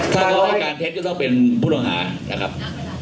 ถ้าเขาให้การเท็จก็ต้องเป็นผู้ต้องหานะครับ